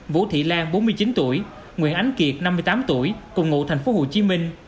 vũ thị lan bốn mươi chín tuổi nguyễn ánh kiệt năm mươi tám tuổi cùng ngụ thành phố hồ chí minh